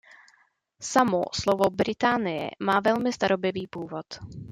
Samo slovo "Británie" má velmi starobylý původ.